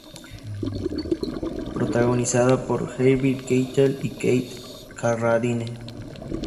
Protagonizada por Harvey Keitel y Keith Carradine.